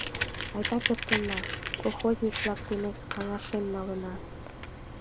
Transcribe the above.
Айда пӧртылына, колхозник-влак дене каҥашен налына...